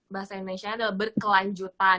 bahasa indonesia adalah berkelanjutan